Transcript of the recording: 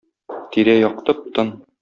Тирә-як тып-тын.